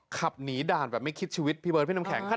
ขับหนีด่านแบบไม่คิดชีวิตพี่เบิร์ดพี่น้ำแข็ง